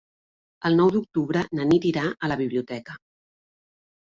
El nou d'octubre na Nit irà a la biblioteca.